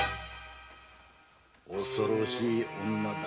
恐ろしい女だ。